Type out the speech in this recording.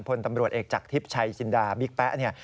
พลตำรวจเอกจากทิพย์ชัยจินดาบิ๊กแป๊ะเนี่ย